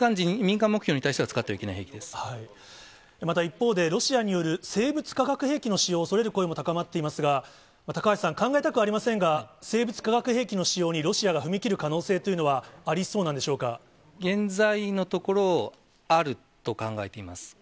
民間目標に対しては使ってはまた一方で、ロシアによる生物化学兵器の使用を恐れる声も高まっていますが、高橋さん、考えたくありませんが、生物化学兵器の使用にロシアが踏み切る可能性というのはありそう現在のところ、あると考えています。